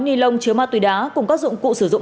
nilon chứa ma túy đá cùng các dụng cụ sử dụng